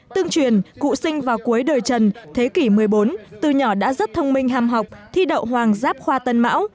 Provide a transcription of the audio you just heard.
tương truyền cụ sinh vào cuối đời trần thế kỷ một mươi bốn từ nhỏ đã rất thông minh ham học thi đậu hoàng giáp khoa tân mão